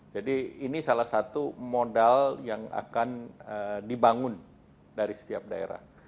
jadi ini salah satu modal yang akan dibangun dari setiap daerah